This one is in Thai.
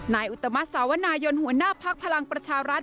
อุตมัติสาวนายนหัวหน้าภักดิ์พลังประชารัฐ